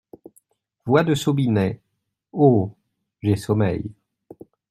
Voix de Snobinet. — Oh !… j’ai sommeil.